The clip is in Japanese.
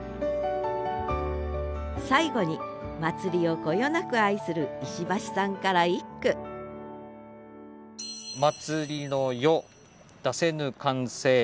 最後に祭りをこよなく愛する石橋さんから一句声が出せない？